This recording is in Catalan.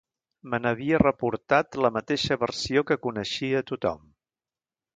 Me n’havia reportat la mateixa versió que coneixia tothom.